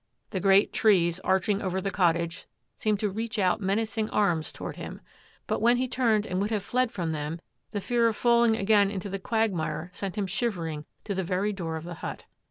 The great trees, arching over the cottage, seemed to reach out men acing arms toward him, but when he turned and would have fled from them, the fear of falling again into the quagmire sent him shivering to the very door of the hut.